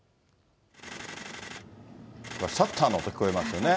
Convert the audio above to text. シャッターの音、聞こえますよね。